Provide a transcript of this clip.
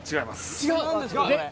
違うんですかこれ。